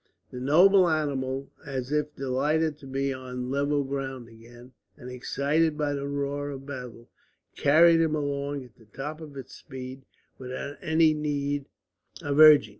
The noble animal, as if delighted to be on level ground again, and excited by the roar of battle, carried him along at the top of its speed without any need of urging.